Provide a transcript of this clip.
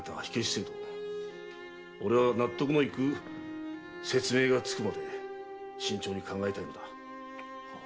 俺は納得のいく説明がつくまで慎重に考えたいのだ。